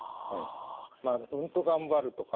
うんと頑張るとか